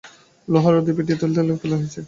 লোহার রড দিয়ে পিটিয়ে থেতলে ফেলা হয়েছে।